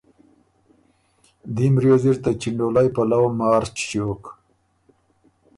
دیم ریوز اِر ته چِنډولئ پلؤ مارچ ݭیوک